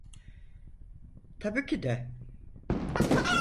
Tabii ki de.